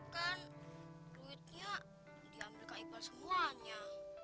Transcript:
kan duitnya diambil kak ibal semuanya